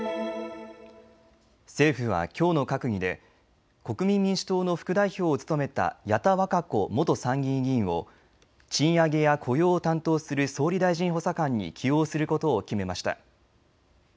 政府はきょうの閣議で国民民主党の副代表を務めた矢田稚子元参議院議員を賃上げや雇用を担当する総理大臣補佐官に起用することを決めました。